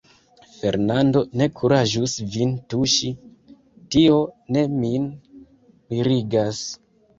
Fernando ne kuraĝus vin tuŝi, tio ne min mirigas.